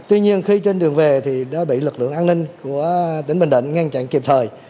tuy nhiên khi trên đường về thì đã bị lực lượng an ninh của tỉnh bình định ngăn chặn kịp thời